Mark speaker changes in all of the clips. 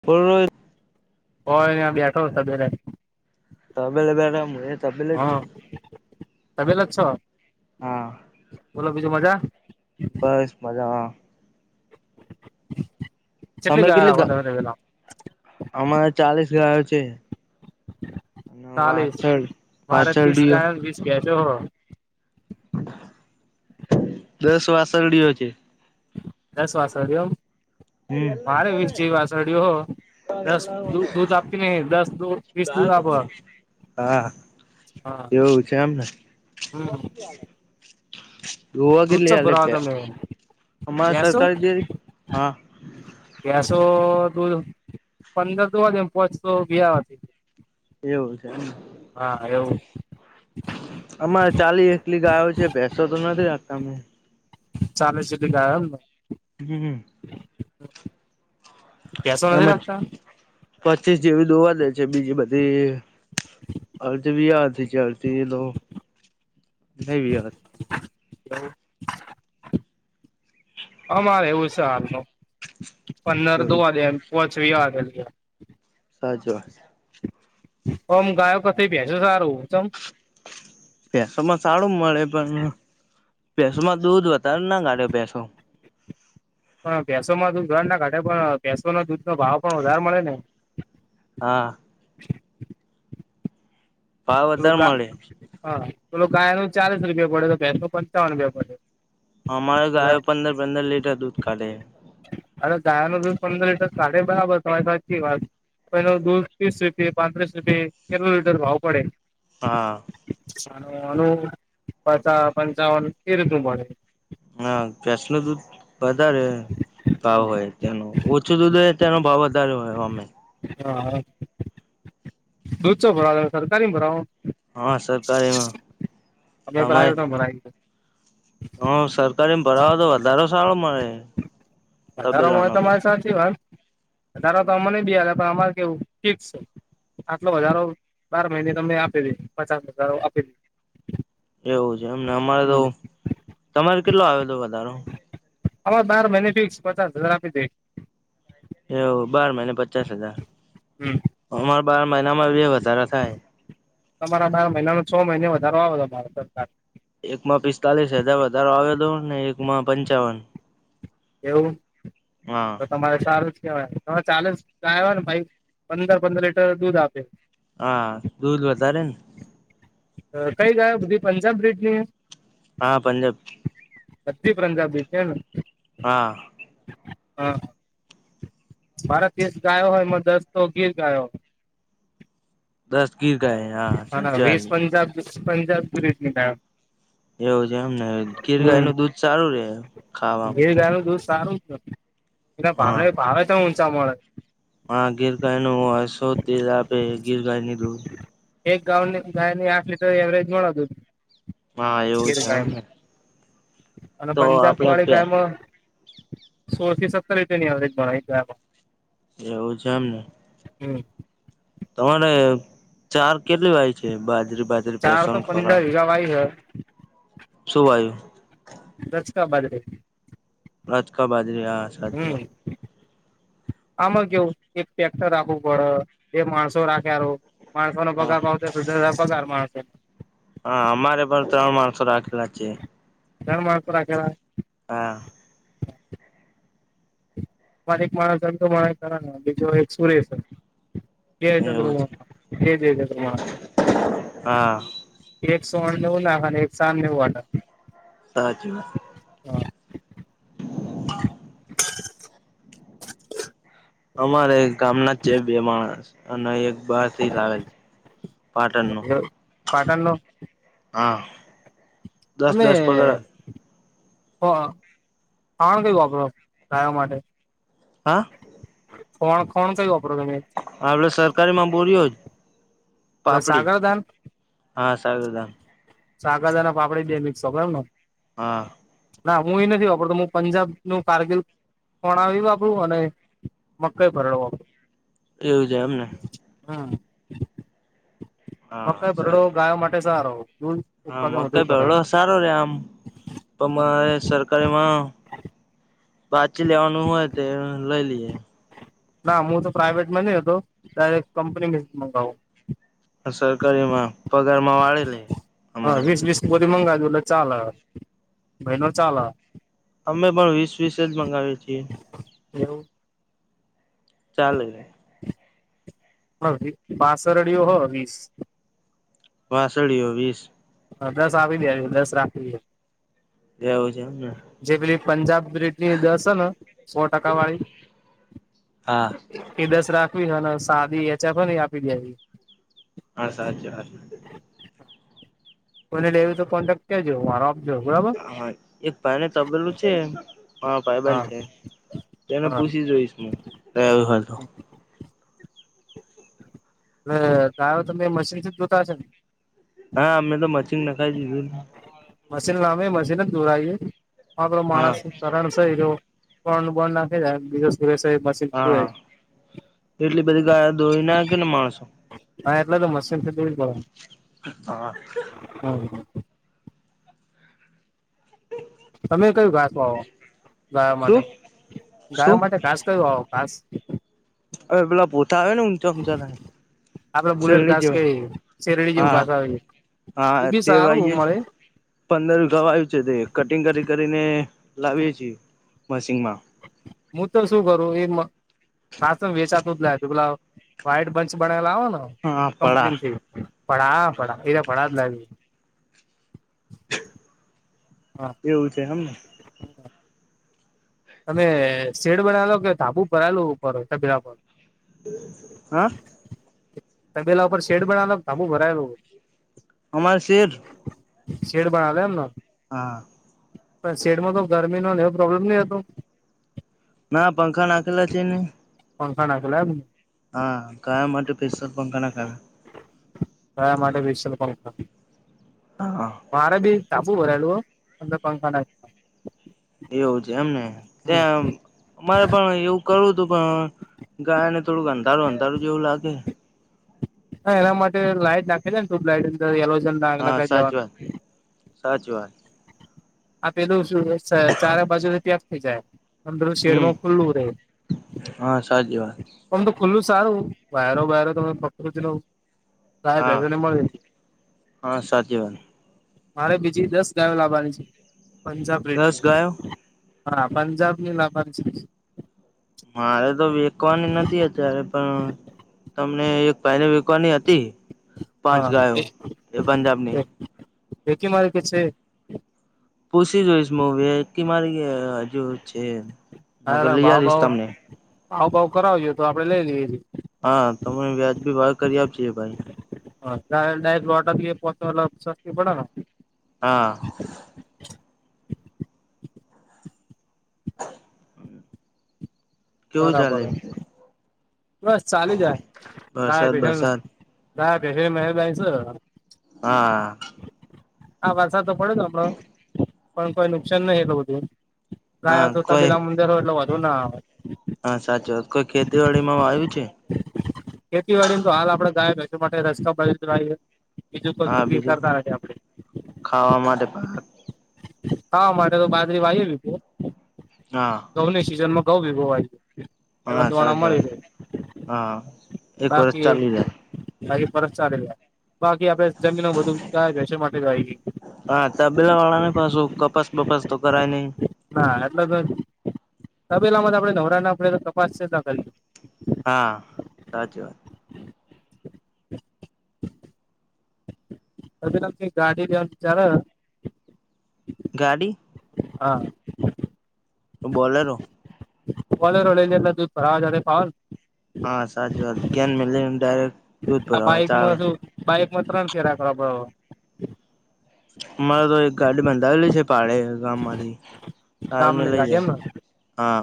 Speaker 1: [unintelligible]
Speaker 2: હોય બેઠો બેે
Speaker 1: તબલે બેું એ તબલે જ છું.
Speaker 2: તબેલે છો.
Speaker 1: હા
Speaker 2: બોલો પીજો મજા
Speaker 1: બસ મજામા તમે
Speaker 2: ગાયો રાખો
Speaker 1: કેટલી
Speaker 2: તમે તબેલા
Speaker 1: અમારે ચાલીસ ગાયો છે. હ વાછળ પાછળડીયો
Speaker 2: કે છો.
Speaker 1: દસ વાસડીયો છે.
Speaker 2: દસ વાસળીઓ.
Speaker 1: હમ
Speaker 2: મારે વીસ જે વાછરડયો હો દસ દ દૂધ આપ. ને દસ દુઘ તીસ દુઘ આપ હ.
Speaker 1: હુ છે એમને. દોવા
Speaker 2: દૂધ ચો
Speaker 1: કેટલી આલે
Speaker 2: ભરાવો
Speaker 1: હૈ
Speaker 2: તમે
Speaker 1: અમારે
Speaker 2: ભેંસો
Speaker 1: સરકારી જેવી આ.
Speaker 2: ગ્યાસો દૂધ પંદર દુ પોચસો વથી [inaudible]
Speaker 1: એવું છે.
Speaker 2: હા એવું.
Speaker 1: અમારે ચાલી એકલી ગાયો છે ભૈસો તો નથી રાખતા અમે.
Speaker 2: ચાલે સીટી ગાય એમને.
Speaker 1: હું હું.
Speaker 2: હમ [unintelligible]
Speaker 1: એમજ પચીસ જેવી દોવા દે છે બીજી બધી. અજ ભી યાારથી [inaudible] ચાલતી એ નહી ભ દ
Speaker 2: અમારે એવું છે હાલ નુ. પંદર દો
Speaker 1: એવું
Speaker 2: વાે એ પચવી વાે
Speaker 1: સાચી વાત છે.
Speaker 2: ઓમ ગાયો કરતાં ભૈસો સારું ચેમ.
Speaker 1: ભૈસોમાં સારું મળે પણ ભેસોમાં દૂધ વધારે ના કાઢે ભૈસો.
Speaker 2: પણ ભેસોમાં દૂધ ઘર ના કાઢે પણ ભેસો નો દૂધ નો ભાવ પણ વધારે મળે ને.
Speaker 1: હા. ભાવ વધારે મળે
Speaker 2: પેલું ગાય નું ચાલીસ રૂપિયા પડે તો ભેસો નો પંચાવન રૂપિયા પડે.
Speaker 1: અમારે ગાય પંદર પંદર લીટર દૂધ કાઢે.
Speaker 2: અરે ગાય નો દૂધ પંદર લીટર કાઢે બરાબર તમારે સાચી વાત. પણ એનુ દૂધ ત્રીસ રૂપયે પાંત્રીસ રૂપિયે કેટલો લીટર ભાવ પડે.
Speaker 1: હા.
Speaker 2: અનું પચ પંચાવન કે રીતું પળે.
Speaker 1: ના ભૈસ નુ દૂધ. વધારે ભાવ હોય તેનું ઓછું દૂધ હોય તેનો ભાવ વધારે હોય અમે.
Speaker 2: હા હા. દૂધ ચો ભરાવ સરકારી ભરાવ.
Speaker 1: હા સરકારીમાં
Speaker 2: અભેપ્રાયટ ભરાય [inaudible]
Speaker 1: હા સરકારી માં ભરાવો તો વધારે સારો મળે તબેલા ના.
Speaker 2: સાચી વાત. દારા તો અમાને બે આલે અમાર કેવું ફિક્સ. આટલો વધજારો બાર મહિને તમને આપેલી પચાસ હજારો આપેલી.
Speaker 1: એવું છે એમને અમારે તો તમારે કેટલો આવે હતો વધારો.
Speaker 2: અમાર બાર મહિને ફિક્સ પચાસ હજાર આપી દેઇ.
Speaker 1: એવું બાર મહિના પચાસ હજાર
Speaker 2: હમ
Speaker 1: અમારે બાર મહિના અમારે બે વધારા થાય.
Speaker 2: તમારા બાર મહિના ન છ મહિને વધારો આવે તમારો સરકાર.
Speaker 1: એકમાં પિસ્તાલીસ હજાર વધારો આવે હતો ને એકમાં પંચાવન.
Speaker 2: એવું.
Speaker 1: હા.
Speaker 2: તમારે સારું જ કેવાય. તમારે ચાલે જ કય ને ભાઈ પંદર પંદર લીટર દૂધ આપે.
Speaker 1: હા દૂધ વધારે ને.
Speaker 2: કઈ ગાય બધી પંજાબ બ્રિડની.
Speaker 1: હા પંજાબ.
Speaker 2: બત્રી પંજાબી છે.
Speaker 1: હા.
Speaker 2: હા. મારા તસ ગાયો હોય એમાં દસ તો ગીર ગાયો.
Speaker 1: દસગીર ગા હા
Speaker 2: અને
Speaker 1: સાચી
Speaker 2: વીસ
Speaker 1: વાત.
Speaker 2: પંજાબ પંજાબ પુલીસ તા.
Speaker 1: એવું છે એમ ને. ગીર ગાય નું દૂધ સારું રે.
Speaker 2: બે
Speaker 1: ખાવામાં
Speaker 2: ગાય નું દૂધ સારું. એના
Speaker 1: હા.
Speaker 2: ભાવને ભાવે તો ઊંચા મળે.
Speaker 1: હા ગીર ગાય નું હોય શો તે આપે ગીર ગાય નીધુંર.
Speaker 2: એક ગાઉની ગાય ની આઠ લીટર એવરેજ મળતું.
Speaker 1: હા એવું જમ ને.
Speaker 2: અને પંજાબ વાળી ગાયમાં સોળ થી સત્તર રીપિયાની એવરેજ ગાયમાં.
Speaker 1: એવું છેમ ને.
Speaker 2: હમ.
Speaker 1: તમારે ચાર કેટલી વાય છે બાજરી બાજરી.
Speaker 2: ચાર
Speaker 1: પેસન
Speaker 2: તો પંદર વેગા વાઈ હ.
Speaker 1: શુ વાયુ?
Speaker 2: રસકા બાજરી.
Speaker 1: રાજકા બાજરી. હા.
Speaker 2: હમ આમાં કેવું એક ટ્રેક્ટર રાખવું પડે એ. માણસો રાખવા માણસો નો
Speaker 1: હા
Speaker 2: પગાર ભાવતો સુધ પગાર માણસો.
Speaker 1: હા અમારે પણ ત્રણ માણસો રાખેલા છે.
Speaker 2: ત્રણ માણસો રાખેલા.
Speaker 1: હા.
Speaker 2: મારે એક માણસ તો માણસ બીજો એક સુરેશ. જયચંદ્ર
Speaker 1: એવું છે
Speaker 2: જય જયચંદ્રમા.
Speaker 1: હા
Speaker 2: એકસો અણનેવું નાખ અને એકસો આણનેવું વાટ.
Speaker 1: સહજમાં.
Speaker 2: હા.
Speaker 1: અમારે ગામના છે બે માણસ અને એક બા. આવેલ છે. પાટણ નું.
Speaker 2: પાટણ નો
Speaker 1: હા. દસ દસ પગડ
Speaker 2: અનેમે. તણ કઈ વાપરો? ગાવા માટે.
Speaker 1: હા.
Speaker 2: કોણ કોણ કયુ વાપરો તમે?
Speaker 1: આપડે સરકારી માં બોરયો જ
Speaker 2: એટલે
Speaker 1: પાપડી.
Speaker 2: સાગરદાન
Speaker 1: હા સાગરદાન.
Speaker 2: સાગત અને પાપડી બે મિક્સો બરા ને.
Speaker 1: હા.
Speaker 2: ના. હું એ નથી વાપરતો. હું પંજાબ નું કારગીલ વણાવી બાપુ અને મકઈ પરરડ બાપું.
Speaker 1: એવું જ એમ ને.
Speaker 2: હમ
Speaker 1: હા
Speaker 2: મકઈ ભરડો
Speaker 1: સાચી
Speaker 2: ગાય માટે સારો દૂધ.
Speaker 1: હા
Speaker 2: ઉત્પાદન વધુ
Speaker 1: મકઈ
Speaker 2: કરે
Speaker 1: ભળો સારો રે આમ. પણ મારે સરકારીમાં પાછી લેવાનું હોય તો લઈ લઈએ.
Speaker 2: ના હું તો પ્રાાઈવેટમાં નહી હતો તરે કંપની મગાવું.
Speaker 1: અન સરકારીમાં પગારમાં વાળી લે અમારે.
Speaker 2: બધી મંગાઈ દવ એટલે ચાલ, ભાઈનું ચાલ.
Speaker 1: અમે પણ વીસ-વીસ જ મગાવીએ છીએ.
Speaker 2: એવું.
Speaker 1: ચાલે રે.
Speaker 2: હવ હી વાસરડીઓ હ વીસ.
Speaker 1: વાસળીઓ વીસ.
Speaker 2: હન, દસ આપી દેજો, દસ રાખી લે.
Speaker 1: એવું છે, એમ ને.
Speaker 2: જે પેલી પંજાબ બ્રિ જે દસ હન, સો ટકાવાળી
Speaker 1: હા
Speaker 2: એ દસ રાખ વી હન, સાદી એચ પ હેન ઈ આપી દેવી.
Speaker 1: હા, સાચી વાત હે.
Speaker 2: કોઈને લેવી તો કોન્ટેક્ટ કરજો, મારો આપજો બરાબર.
Speaker 1: હા, એક ભાઈને તબેલું છે. મારો
Speaker 2: હા
Speaker 1: ભાઈબંધ છે, એને
Speaker 2: હા
Speaker 1: પૂછી જોઈશ હું.
Speaker 2: લે ગાયો તમે મશીનથી જ જોતા હશે ન.
Speaker 1: હા, અમે તો મશીન નખાઈ દીધું ન.
Speaker 2: મશીન લાવીએ, મશીન જ દોરાઈ એ પણ પેલો
Speaker 1: હા
Speaker 2: માણસ કરણ સ ઈરયો પણ બોન નાખી દે, બીજો સુરેશ છે ઈરયો.
Speaker 1: હઅ, એટલી બધી ગાયો દોઈ ના હ કે ને માણસો.
Speaker 2: હા, એટલે તો મશીનથી દોઈ કાઢવાનું.
Speaker 1: હા.
Speaker 2: [inaudible] તમે કયું ઘાસ વાવો? ગાયો માટે.
Speaker 1: શું
Speaker 2: ગાયો
Speaker 1: શું
Speaker 2: માટે ઘાસ ક્યુ વાવો ઘાસ?
Speaker 1: હવે પેલા પોથા આવે ને ઊંચા-ઊંચા થાય.
Speaker 2: આપડે બુલેટ
Speaker 1: શેરડી
Speaker 2: ઘાસ
Speaker 1: જેવા
Speaker 2: કઈએ, શેરડી જેવું
Speaker 1: હા
Speaker 2: ઘાસ આવે. એ
Speaker 1: હા,
Speaker 2: બી
Speaker 1: તે
Speaker 2: સારું
Speaker 1: વાયે છે.
Speaker 2: મળે
Speaker 1: પંદર વીઘા વાયુ છે, તે કટિંગ કરી-કરીને લાવીએ છીએ મશીનમાં.
Speaker 2: મુ તો શું કરું એમ ઘાસ ન વેચાતુ જ લાયો તો પેલા વાઈટ બંચ બનેલા આવન
Speaker 1: હા પડા
Speaker 2: કંપનીમ થી પણ આ ભળા એરયા ભળા જ લાયુ હા.
Speaker 1: એવું છે એમને.
Speaker 2: [inaudible] અને શેડ બનાયલો કે ધાબુ ભરાયલું ઉપર તબેલા પર?
Speaker 1: હા.
Speaker 2: તબેલા ઉપર શેડ બનાયલો ક ધાબુ ભરાયલું?
Speaker 1: અમારે સેડ.
Speaker 2: શેડ બનાવેલો એમ ન.
Speaker 1: હા.
Speaker 2: પણ શેડમાં તો ગરમીનો ન એવો પ્રોબ્લેમ નઈ હોતો.
Speaker 1: ના, પંખા નાખેલા છે ને.
Speaker 2: પંખા નાખેલા એમ ને.
Speaker 1: હા, ગાયો માટે સ્પેશિયલ પંખા નખાવ્યા.
Speaker 2: ગાયો માટે પેશયલ પંખા.
Speaker 1: હા.
Speaker 2: મારે બી ધાબુ ભરાયલું હ અને પંખા નાખયા.
Speaker 1: એવું છે એમને, તેમ અમારે પણ એવું કરુ તું પણ ગાય ને થોડુંક અંધારું અંધારું જેવું લાગે હે
Speaker 2: હા એના માટે લાઈટ નાખે છે ને. ટ્યુબલાઈટ અંદર એલોજન બલ્બ
Speaker 1: હા
Speaker 2: લગાઈ
Speaker 1: સાચી
Speaker 2: દેવાનું.
Speaker 1: વાત સાચી વાત
Speaker 2: આ પેલું શું ચારે બાજુથી ત્યાગ થઇ જાય. અંદર
Speaker 1: હમ
Speaker 2: શેડમાં ખુલ્લું રહે
Speaker 1: હા સાચી વાત
Speaker 2: ઓમ તો ખુલ્લું સારું વાયરો વાયરો તમે પકડું જ નો ગાય
Speaker 1: હા
Speaker 2: ભેંસો ને મળે.
Speaker 1: હા સાચી વાત
Speaker 2: મારે બીજી દસ ગાયો લાવવાની છે પંજાબ રેટ
Speaker 1: દસ ગાયો
Speaker 2: હા પંજાબ ની લાબાની છે.
Speaker 1: મારે તો વેકવાની નથી અત્યારે પણ તમને એક પહેલી વિકવાની હતી પાંચ
Speaker 2: હા
Speaker 1: ગાયો એ પંજાબની
Speaker 2: વેકી મારી કે છે.
Speaker 1: પૂછી જોઈશ મુ વેકી મારી હજુ છે નકર
Speaker 2: હા
Speaker 1: લઈ
Speaker 2: ભાવ
Speaker 1: આલીશ
Speaker 2: ભાવ
Speaker 1: તમને
Speaker 2: ભાવ બાવ કરાવજો તો આપડે લઈ લઈએ.
Speaker 1: હા તમે વ્યાજ બી ભાવે કરી આપજે ભાઈ
Speaker 2: હા ડાયરેક્ટ લોટ આપીએ પાંચનો એટલે શસ્તી પડે ને.
Speaker 1: હા. કેવું
Speaker 2: બરાબર
Speaker 1: ચાલે એમ.
Speaker 2: બસ ચાલી જાય ગાય
Speaker 1: વરસાદ
Speaker 2: ભેગા
Speaker 1: બરસાદ
Speaker 2: ગાય ભેગા મહેબાની છે.
Speaker 1: હા.
Speaker 2: હા વારસાદ તો પડયો તો આપળ પણ કોઈ નુકસાન નહી એટલું બધું એમ.
Speaker 1: હા
Speaker 2: ના તો
Speaker 1: કોઈ
Speaker 2: તબીલા મંદિર હોય એટલે વોધો ના આવે.
Speaker 1: હા સાચું વાત કોઈ ખેતીવાડી માં આવ્યું છે.
Speaker 2: ખેતીવાડીને તો હાલ આપડે ગાય ભેંસો માટે રસ્તા કરી લઈએ. બીજું તો
Speaker 1: હા બીજું
Speaker 2: ચીતરતા નથી આપડે.
Speaker 1: ખાવા માટે પાક
Speaker 2: હા માટે તો બાજરી વાય લીધી
Speaker 1: હા.
Speaker 2: ઘઉં ની સિઝનમાં ઘઉ ભીગોવાય.
Speaker 1: હા સાચી વાત હા એક વર્ષ
Speaker 2: બાકી
Speaker 1: ચાલુ રહે
Speaker 2: બાકી પરત ચાલે જાય બાકી આપડે જમીન બધું ગાયો ભેંસો માટે વાઈ હતી.
Speaker 1: હા તબેલા વાળા ને પાછું કપાસ બપાસ તો કરાય નહી.
Speaker 2: હા એટલે તો તબેલામાં આપણે નવરા ના પડે તો તપાસ છે ચેતા કરીએ.
Speaker 1: હા સાચી વાત.
Speaker 2: [unintelligible] અચૂત્મ કઈક ગાડી લેવાનું વિચાર હ
Speaker 1: ગાડી
Speaker 2: હા.
Speaker 1: તો બોલેરો
Speaker 2: બોલેરો લઈલે એટલે દૂધ ભરવા જતા ફાવ ને
Speaker 1: હા સાચી વાત કેન મેલી ડાયરેક્ટ દૂધ
Speaker 2: આ
Speaker 1: ભરાવા ચાલે
Speaker 2: બાઈકમાં શું બાઈકમાં ત્રણ ચેરા કરવા પડે.
Speaker 1: અમારે તો એક ગાડી બંધાવેલી છે ભાડે ગામમાંથી
Speaker 2: પડે
Speaker 1: આવીને
Speaker 2: ગામની
Speaker 1: લઈ
Speaker 2: ગાડી એમ
Speaker 1: જાય
Speaker 2: ને
Speaker 1: હા.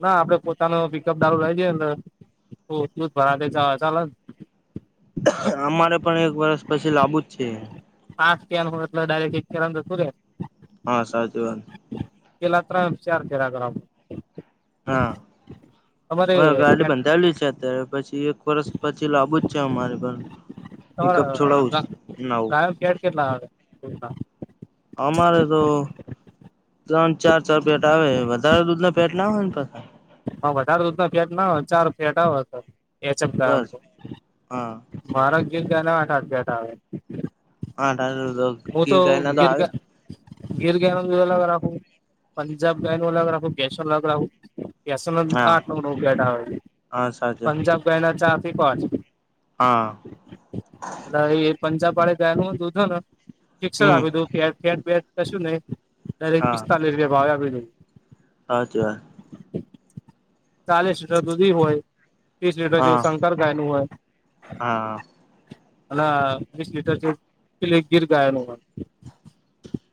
Speaker 2: ના આપડે પોતાનું પિકઅપ ડાલો લઈ જઈએ તો દૂધ ભરાવતા ચાલેને
Speaker 1: અમારે પણ એક વરષ પછી લાબુ જ છે.
Speaker 2: પાં કેન ડાયરેક્ટ એક કેન જતુ રે
Speaker 1: હા સાચી વાત.
Speaker 2: પેલા ત્રણ ચાર ફેરા કરવા
Speaker 1: હા હવે ગાડી
Speaker 2: ફેટ
Speaker 1: બંધાવેલી છે અત્યારે પછી એક વર્ષ પછી લાબુ જ છે અમારે પણ પિકઅપ છોડાવું છે નવું.
Speaker 2: કેટ કેટલા આવે હમ્મ બા
Speaker 1: અમારે તો ત્રણ ચાર ચાર ફેટ આવે વધારે દૂધ મતલબ ફેટ ના આવે ને પણ
Speaker 2: હા વધારે દૂધ ના ફેટ ના ચાર ફેટ આવ અતાર એ શબ કરમ
Speaker 1: બસ
Speaker 2: તો
Speaker 1: હા
Speaker 2: આરોગ્યને વા અ્યાટ આવે.
Speaker 1: હા તારું રોક
Speaker 2: હે તો ગિરગ્યા. ગીર ગાનો અલગ રાખું પંજાબ ગાય નું અલગ રાખું કેશ અલગ રાખું. એસો
Speaker 1: હા
Speaker 2: આઠું નવ નવ ફેટ આવે
Speaker 1: હા સાચું
Speaker 2: પંજાબ ગાયના ચાર થી પાંચ.
Speaker 1: હા.
Speaker 2: એટલે હવે એ પંજાબબાળે ગાયનું દુંધો ન ફિક્સજ
Speaker 1: હમ
Speaker 2: આપી દું ત ફે બે કશું નઈ દરેક પિસ્તા લિયા ભાવ આપી દઉ.
Speaker 1: હાચી વાત.
Speaker 2: ચાલીસ લીટર દૂધી હોય ત્રીસ લીટર
Speaker 1: હા
Speaker 2: જેવું શંકર ગાય નું હોય.
Speaker 1: હા.
Speaker 2: અન વીસ લીટર જેવું પેલી ગીર ગાયનું હોય.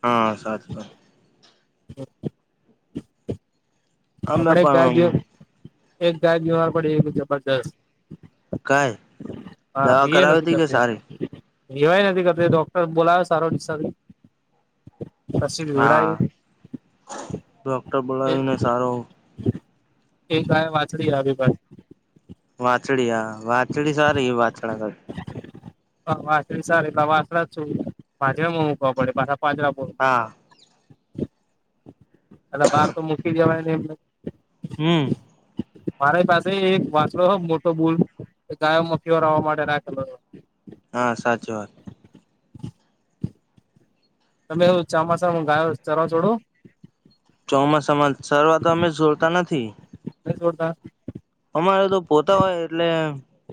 Speaker 1: હા સાચી વાત.
Speaker 2: [unintelligible]
Speaker 1: અમે
Speaker 2: આપડે એક ગાય બીય
Speaker 1: પણ
Speaker 2: એક ગાય બીમાર પડી એ જબરજસ્ત.
Speaker 1: કાય
Speaker 2: હા
Speaker 1: દવા
Speaker 2: બી એ
Speaker 1: કરાવી
Speaker 2: નથી
Speaker 1: હતી કે
Speaker 2: કરતી.
Speaker 1: સારી
Speaker 2: દેવાય નથી કરતી ડોક્ટર બોલાયો સારો દિસા પછી વિવડાય
Speaker 1: હા ડોક્ટર
Speaker 2: એ
Speaker 1: બોલાવીને સારો
Speaker 2: એક ગાય વાંછડી આવી પાછી.
Speaker 1: વાછડી હ વાછડી સારી વાછડા કર
Speaker 2: હા વાછડી સારી એટ વાસડા છું પાજરામાં મુકવા પડે પાછા પાંજરા
Speaker 1: હા.
Speaker 2: અટલ બાર તો મૂકી દેવાય નઈ એમન.
Speaker 1: હમ.
Speaker 2: મારી પાસે એક વાંછડો હ મોટો બૂલ. ગાય મુખીવર હવા માટેે રાખેલો હે.
Speaker 1: હા સાચી વાત.
Speaker 2: તમે એવુ ચોમાસામાં ગાય ચરવા છોડો.
Speaker 1: ચોમાસામાં સરવા તો અમે સોડતા નથી.
Speaker 2: નથી છોડતા.
Speaker 1: અમારે તો પોતા હોય એટલે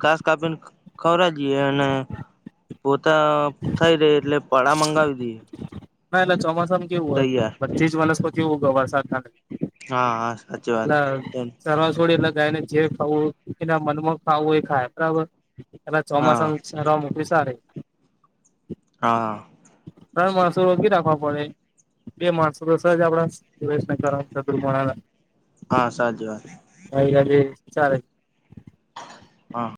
Speaker 1: ઘાસ કાપીન ખવરાઈ દીયે એન પોતા ખઈ ર એટલે પળા મંગાવી દઈએ.
Speaker 2: ના એટલે ચોમાસામ કેવું હોય
Speaker 1: તૈયાર
Speaker 2: બધી જ વનસ્પતિ ઉગ વરસાદ ના લી
Speaker 1: હા હા સાચી વાત તેમ.
Speaker 2: ચરવા છોડી એટલ ગાયન જે ખાવું એના મનમાં ખાવું એ ખાય બરાબર. એટલે
Speaker 1: હા
Speaker 2: ચોમાસામ ચરવા મોકલી સારી.
Speaker 1: હા.
Speaker 2: તણ માણસો રોકી રાખવા પડે. બે માણસો તો સજ આપડા [unintelligible] ચંદ્રુમોણાના
Speaker 1: હા સાચી વાત.
Speaker 2: હય ગે ચાલ છ.
Speaker 1: હા